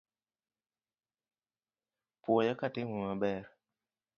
Puoya katimo maber